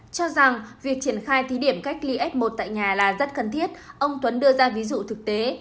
cho rằng việc triển khai thí điểm cách ly f một tại nhà là rất cần thiết ông tuấn đưa ra ví dụ thực tế